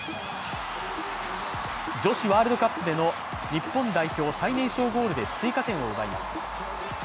女子ワールドカップでの日本代表最年少ゴールで追加点を奪います。